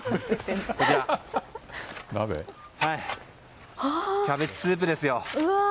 こちら、キャベツスープですよ。